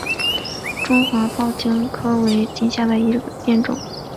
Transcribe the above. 中华抱茎蓼为蓼科蓼属下的一个变种。